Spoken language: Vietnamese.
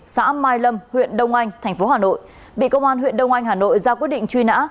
xã mai lâm huyện đông anh tp hà nội bị công an huyện đông anh hà nội ra quyết định truy nã